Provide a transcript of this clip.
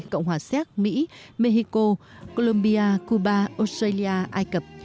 cộng hòa xéc mỹ mexico colombia cuba australia ai cập